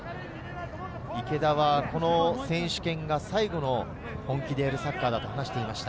池田は、この選手権が最後の本気でやるサッカーだと話していました。